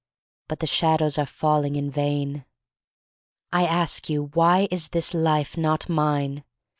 But the shadows are falling in vain." I ask you, Why is this life not mine?